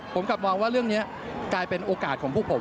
ผมกลับมองว่าเรื่องนี้กลายเป็นโอกาสของพวกผม